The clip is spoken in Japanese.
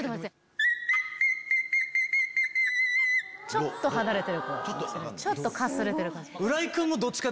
ちょっとはだれてる声ちょっとかすれてる感じ。